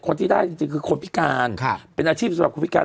คนที่ได้จริงคือคนพิการค่ะเป็นอาชีพสำหรับคนพิการ